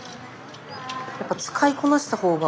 やっぱ使いこなした方が。